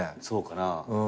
そうかな？